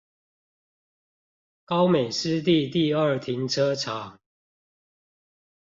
高美濕地第二停車場